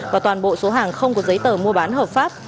và toàn bộ số hàng không có giấy tờ mua bán hợp pháp